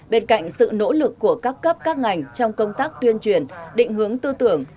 bên cạnh sự nỗ lực của các cấp các ngành trong công tác tuyên truyền định hướng tư tưởng